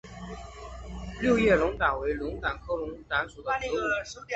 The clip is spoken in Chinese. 六叶龙胆为龙胆科龙胆属的植物。